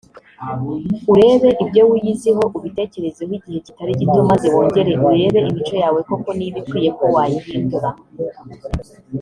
urebe ibyo wiyiziho ubitekerezeho igihe kitari gito maze wongere urebe imico yawe koko niba ikwiye ko wayihindura